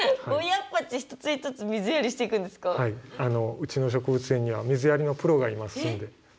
うちの植物園には水やりのプロがいますので。